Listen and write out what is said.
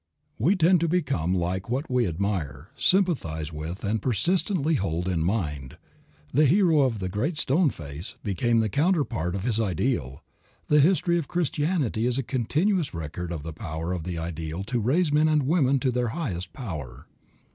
We tend to become like what we admire, sympathize with and persistently hold in mind. The hero of "The Great Stone Face" became the counterpart of his ideal. The history of Christianity is a continuous record of the power of the ideal to raise men and women to their highest power.